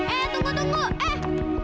eh tunggu tunggu eh